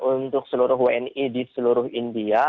untuk seluruh wni di seluruh india